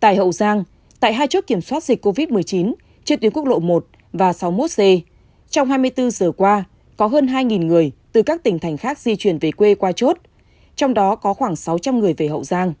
tại hậu giang tại hai chốt kiểm soát dịch covid một mươi chín trên tuyến quốc lộ một và sáu mươi một c trong hai mươi bốn giờ qua có hơn hai người từ các tỉnh thành khác di chuyển về quê qua chốt trong đó có khoảng sáu trăm linh người về hậu giang